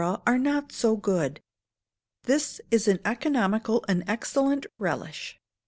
are not so good. This is an economical and excellent relish.